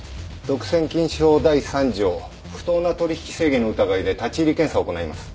独占禁止法第３条不当な取引制限の疑いで立入検査を行います。